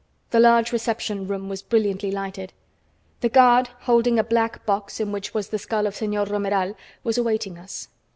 The large reception room was brilliantly lighted. The guard, holding a black box in which was the skull of Señor Romeral, was awaiting us.